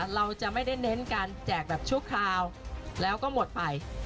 เราจะไม่ได้เน้นการแจกแบบชั่วคราวแล้วก็หมดไป